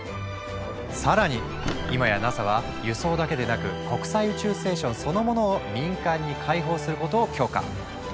さらに今やＮＡＳＡは輸送だけでなく国際宇宙ステーションそのものを民間に開放することを許可。